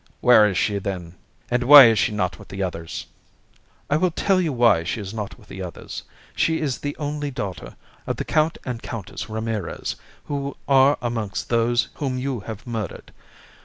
"Where is she, then? And why is she not with the others?" "I will tell you why she is not with the others. She is the only daughter of the Count and Countess Ramirez, who are amongst those whom you have murdered.